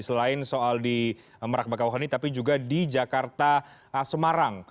selain soal di merak bakauhani tapi juga di jakarta semarang